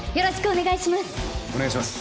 お願いします